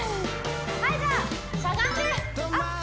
はいじゃあしゃがんでアップ